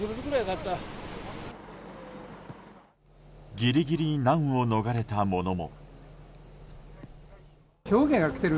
ギリギリ難を逃れたものも。